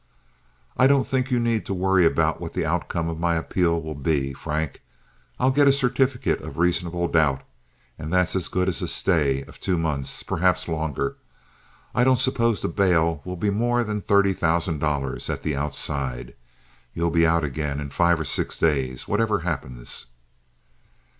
"I don't think you need worry about what the outcome of my appeal will be, Frank. I'll get a certificate of reasonable doubt, and that's as good as a stay of two months, perhaps longer. I don't suppose the bail will be more than thirty thousand dollars at the outside. You'll be out again in five or six days, whatever happens."